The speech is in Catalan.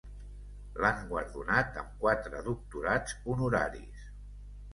L'han guardonat amb quatre doctorats honoraris.